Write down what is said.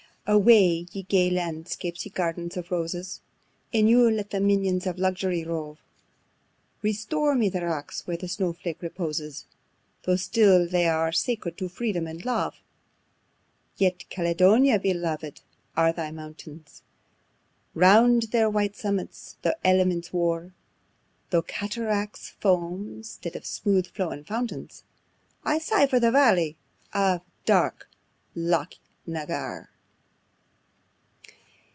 Away, ye gay landscapes, ye gardens of roses! In you let the minions of luxury rove; Restore me the rocks, where the snow flake reposes, Though still they are sacred to freedom and love: Yet, Caledonia, belov'd are thy mountains, Round their white summits though elements war; Though cataracts foam 'stead of smooth flowing fountains, I sigh for the valley of dark Loch na Garr.